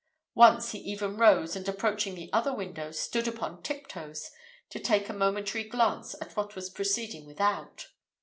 Once he even rose, and approaching the other window, stood upon tiptoes to take a momentary glance at what was proceeding without.